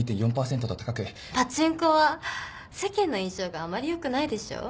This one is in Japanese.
パチンコは世間の印象があまり良くないでしょう？